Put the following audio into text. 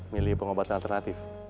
milih pengobatan alternatif